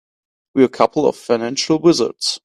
We're a couple of financial wizards.